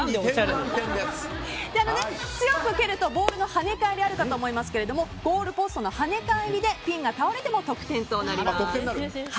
強く蹴るとボールの跳ね返りがあるかと思いますがゴールポストの跳ね返りでピンが倒れても得点となります。